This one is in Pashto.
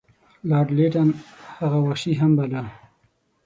لارډ لیټن هغه وحشي هم باله.